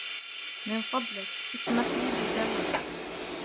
من فضلك اسمح لي بالذهاب.